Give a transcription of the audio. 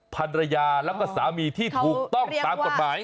ภรรยาแล้วก็สามีที่ถูกต้องตามกฎหมาย